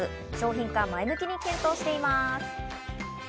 商品化を前向きに検討しています。